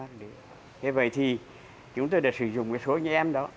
thế vậy thì chúng tôi đã sử dụng cái số như em đó